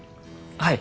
はい。